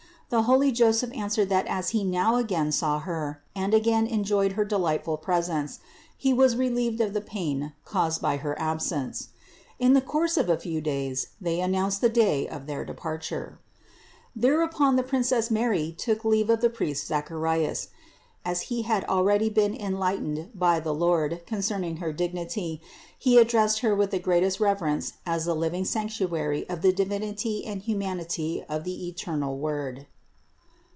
The holy Joseph answered that as he now again saw Her, and again en joyed her delightful presence, he was relieved of the pain caused by her absence. In the course of a few days they announced the day of their departure. 305. Thereupon the princess Mary took leave of the priest Zacharias. As he had already been enlightened by the Lord concerning her dignity, he addressed 244 THE INCARNATION 245 Her with the greatest reverence as the living sanctuary of the Divinity and humanity of the eternal Word.